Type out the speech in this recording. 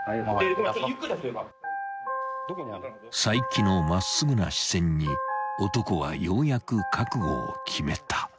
［齋木の真っすぐな視線に男はようやく覚悟を決めた］